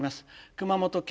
熊本県